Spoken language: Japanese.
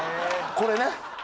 これね